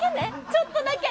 ちょっとだけ！